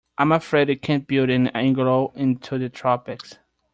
I'm afraid you can't build an igloo in the tropics.